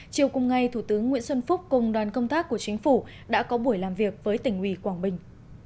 chiều cùng ngày thủ tướng nguyễn xuân phúc cùng đoàn công tác của chính phủ đã có buổi làm việc với tỉnh ủy quảng bình